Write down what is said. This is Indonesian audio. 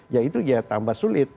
ya itu ya tambah sulit